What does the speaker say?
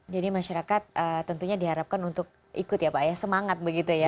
jadi masyarakat tentunya diharapkan untuk ikut ya pak semangat begitu ya